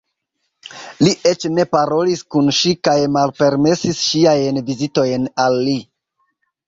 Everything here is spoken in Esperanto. Li eĉ ne parolis kun ŝi kaj malpermesis ŝiajn vizitojn al li.